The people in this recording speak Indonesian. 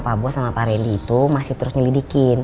pak bos sama pak reli itu masih terus ngelidikin